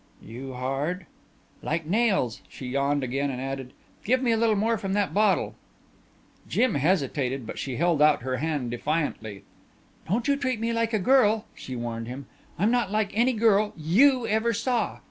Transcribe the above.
"You hard?" "Like nails." She yawned again and added, "Give me a little more from that bottle." Jim hesitated but she held out her hand defiantly, "Don't treat me like a girl," she warned him. "I'm not like any girl you ever saw."